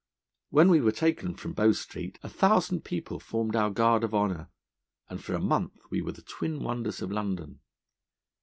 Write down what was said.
When we were taken from Bow Street a thousand people formed our guard of honour, and for a month we were the twin wonders of London.